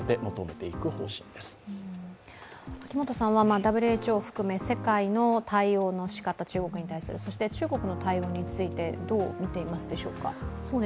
ＷＨＯを含め世界の中国に対する対応の四方、そして中国の対応についてどう見ていますでしょうか。